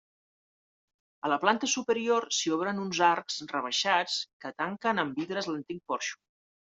A la planta superior s'hi obren uns arcs rebaixats que tanquen amb vidres l'antic porxo.